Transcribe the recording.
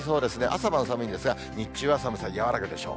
朝晩寒いんですが、日中は寒さ和らぐでしょう。